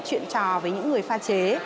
chuyện trò với những người pha chế